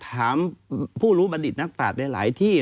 อัตมาถามผู้รู้บัณฑิตนักบาทในหลายที่